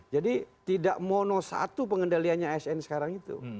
jadi tidak mono satu pengendaliannya asn sekarang itu